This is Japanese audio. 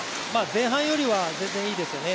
前半よりは全然いいですよね。